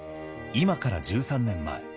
今から１３年前。